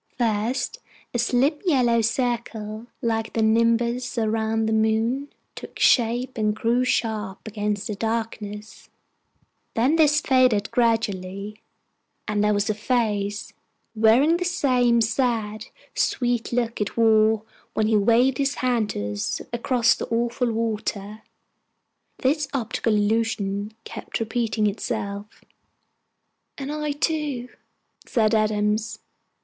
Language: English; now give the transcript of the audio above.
First a slim yellow circle, like the nimbus round the moon, took shape and grew sharp against the darkness; then this faded gradually, and there was the Face, wearing the same sad, sweet look it wore when he waved his hand to us across the awful water. This optical illusion kept repeating itself. "And I too," said Adams.